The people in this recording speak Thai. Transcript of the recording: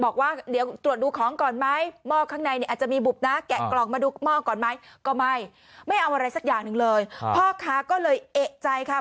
ก็ไม่ไม่เอาอะไรสักอย่างหนึ่งเลยพ่อค่าก็เลยเอ๊ะใจครับ